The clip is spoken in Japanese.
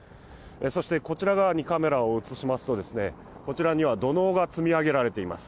そしてこちら側にカメラを移しますと、こちらには土のうが積み上げられています。